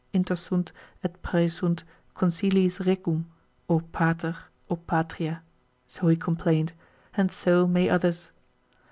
intersunt et praesunt consiliis regum, o pater, o patria? so he complained, and so may others.